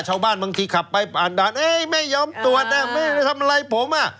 ชาวบ้านบางทีขับไปอ่านด้านไม่ยอมตรวจไม่ได้ทำอะไรผม